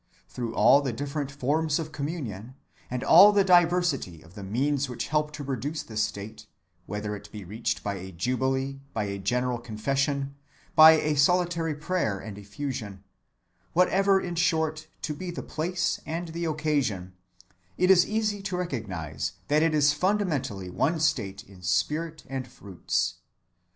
Through all the different forms of communion, and all the diversity of the means which help to produce this state, whether it be reached by a jubilee, by a general confession, by a solitary prayer and effusion, whatever in short be the place and the occasion, it is easy to recognize that it is fundamentally one state in spirit and in fruits.